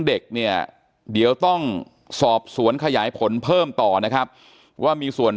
เด็กเนี่ยเดี๋ยวต้องสอบสวนขยายผลเพิ่มต่อนะครับว่ามีส่วน